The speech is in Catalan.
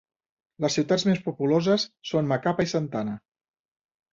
Les ciutats més populoses són Macapá i Santana.